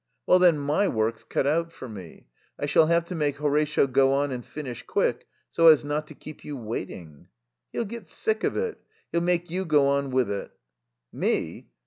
"Well, then, my work's cut out for me. I shall have to make Horatio go on and finish quick, so as not to keep you waiting." "He'll get sick of it. He'll make you go on with it." "_Me?